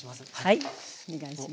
はいお願いします。